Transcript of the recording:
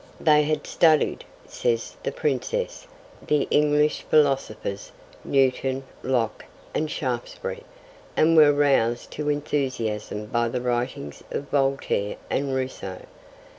'They had studied,' says the Princess, 'the English philosophers, Newton, Locke, and Shaftesbury, and were roused to enthusiasm by the writings of Voltaire and Rousseau.